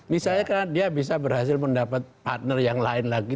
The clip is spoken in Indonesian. misalnya karena dia bisa berhasil mendapat partner yang lain lagi